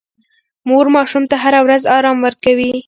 مور ماشوم ته هره ورځ ارام ورکوي.